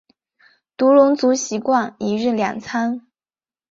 独龙族习惯一日两餐。